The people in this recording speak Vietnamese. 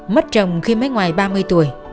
mất chồng khi mới ngoài ba mươi tuổi